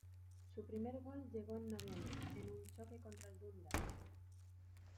Su primer gol llegó en noviembre, en un choque contra el Dundalk.